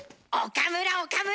岡村！